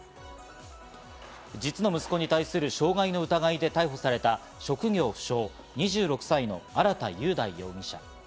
実の息子に対する傷害の疑いで逮捕された職業不詳、２６歳の荒田佑大容疑者。